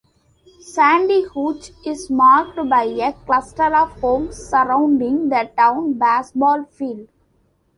Sandy Gulch is marked by a cluster of homes surrounding the town baseball field.